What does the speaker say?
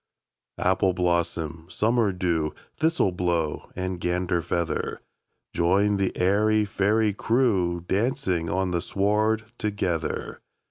Appleblossom, Summerdew, Thistleblow, and Ganderfeather! Join the airy fairy crewDancing on the sward together!